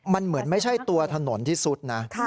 มันเหมือนไม่ใช่ตัวถนนที่สุดนะ